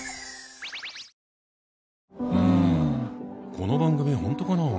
この番組本当かな？